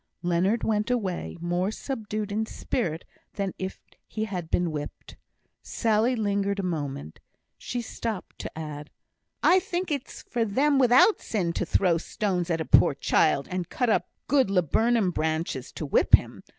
Leonard went away, more subdued in spirit than if he had been whipped. Sally lingered a moment. She stopped to add: "I think it's for them without sin to throw stones at a poor child, and cut up good laburnum branches to whip him.